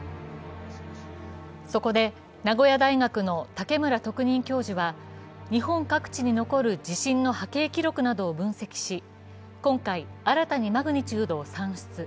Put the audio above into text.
そこで名古屋大学の武村特任教授は、日本各地に残る地震の波形記録などを分析し、今回新たにマグニチュードを算出。